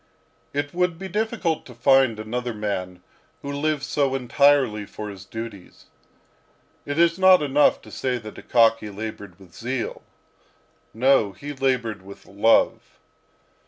It would be difficult to find another man who lived so entirely for his duties. It is not enough to say that Akaky laboured with zeal; no, he laboured with love.